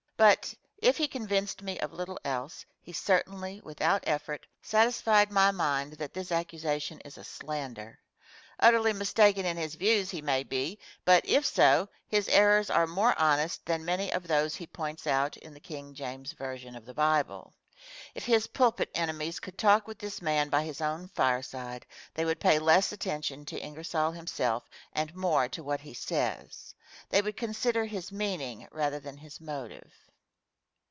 But, if he convinced me of little else, he certainly, without effort, satisfied my mind that this accusation is a slander. Utterly mistaken in his views he may be; but if so, his errors are more honest than many of those he points out in the King James version of the Bible. If his pulpit enemies could talk with this man by his own fireside, they would pay less attention to Ingersoll himself and more to what he says. They would consider his meaning, rather than his motive.